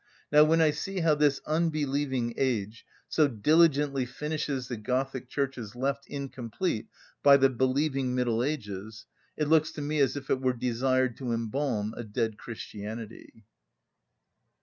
Now when I see how this unbelieving age so diligently finishes the Gothic churches left incomplete by the believing Middle Ages, it looks to me as if it were desired to embalm a dead Christianity.